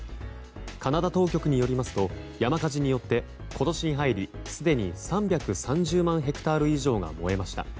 カナダ当局によりますと山火事によって今年に入りすでに３３０万ヘクタール以上が燃えました。